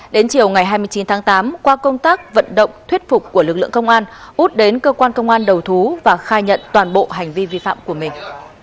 đến chiều ngày hai mươi chín tháng tám qua công tác vận động thuyết phục của lực lượng công an út đến cơ quan công an đầu thú và khai nhận toàn bộ hành vi vi phạm của mình